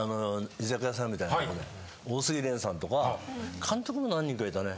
みたいなとこで大杉さんとか監督も何人かいたね。